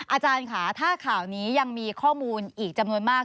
อาจารย์ค่ะถ้าข่าวนี้ยังมีข้อมูลอีกจำนวนมาก